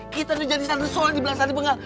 kita udah jadi santri soleh dibelak santri bengal